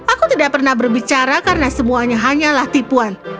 aku tidak pernah berbicara karena semuanya hanyalah tipuan